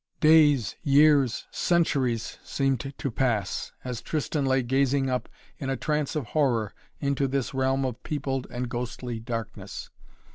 Days, years, centuries seemed to pass, as Tristan lay gazing up in a trance of horror into this realm of peopled and ghostly darkness.